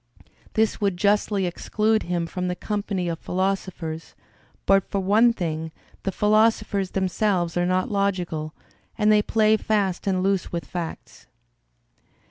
This would justly exclude him from the company of philosophers, but for one thing: the philosophers themselves are not logical, and they play fast and loose with facts.